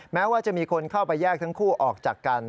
แม้ว่าจะมีคนเข้าไปแยกทั้งคู่ออกจากกัน